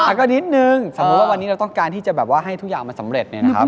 แล้วก็นิดนึงสมมุติว่าวันนี้เราต้องการที่จะแบบว่าให้ทุกอย่างมันสำเร็จเนี่ยนะครับ